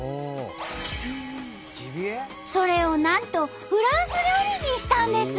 それをなんとフランス料理にしたんです！